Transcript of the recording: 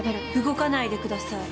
動かないでください